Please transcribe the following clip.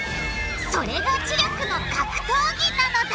それが知力の格闘技なのだ！